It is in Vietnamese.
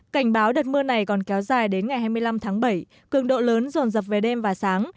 cảnh báo đợt mưa này còn kéo dài đến ngày hai mươi năm tháng bảy cường độ lớn rồn rập về đêm và sáng